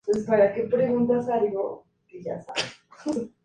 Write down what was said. Desde el principio, el equipo estaba plagado de luchas de poder.